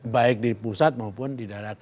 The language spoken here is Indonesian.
baik di pusat maupun di daerah